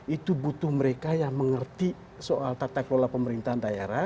itu butuh mereka yang mengerti soal tata kelola pemerintahan daerah